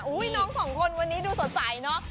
น้องสองคนวันนี้ดูสดใสเนอะ